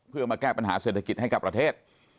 เพื่อมาแก้ปัญหาเศรษฐกิจให้กับประเทศ